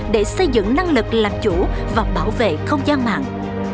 để xây dựng năng lực làm chủ và bảo vệ không gian mạng